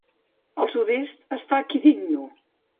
Al sud-est està Kidinnu.